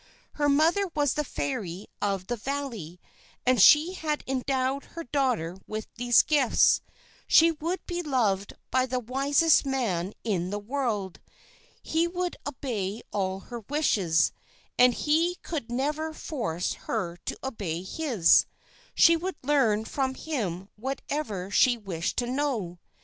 Her mother was the fairy of the valley, and she had endowed her daughter with these gifts: she would be loved by the wisest man in the world; he would obey all her wishes, and he could never force her to obey his; she would learn from him whatever she wished to know.